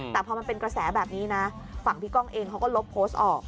แต่พอมันเป็นกระแสแบบนี้นะฝั่งพี่ก้องเองเขาก็ลบโพสต์ออก